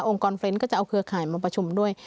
กรเฟรนด์ก็จะเอาเครือข่ายมาประชุมด้วย